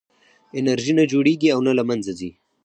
انرژي نه جوړېږي او نه له منځه ځي.